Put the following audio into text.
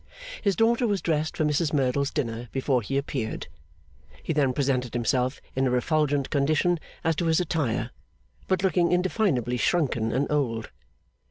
His daughter was dressed for Mrs Merdle's dinner before he appeared. He then presented himself in a refulgent condition as to his attire, but looking indefinably shrunken and old.